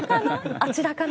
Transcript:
あちらかな？